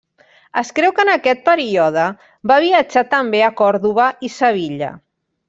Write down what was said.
Es creu que en aquest període va viatjar també a Còrdova i a Sevilla.